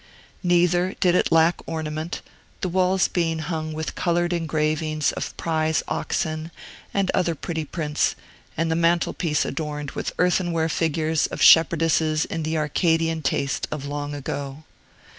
Neither did it lack ornament, the walls being hung with colored engravings of prize oxen and other pretty prints, and the mantel piece adorned with earthen ware figures of shepherdesses in the Arcadian taste of long ago.